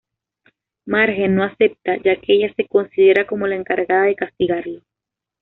Marge no acepta, ya que ella se considera como la encargada de castigarlo.